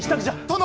殿！